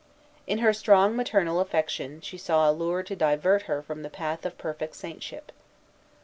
In her strong maternal affection she saw a lure to divert her from the path of perfect saintship.